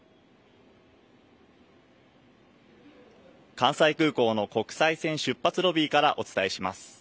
関西空港の国際線出発ロビーからお伝えします。